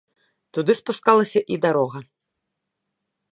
Туды спускалася і дарога.